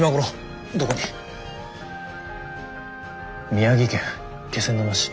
「宮城県気仙沼市。